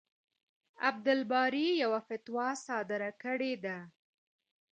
عبدالباري يوه فتوا صادره کړې ده.